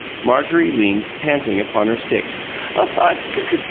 Marjorie leaned, panting, upon her stick.